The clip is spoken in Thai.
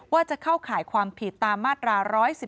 ว่าจะเข้าข่ายความผิดตามมาตรา๑๑๒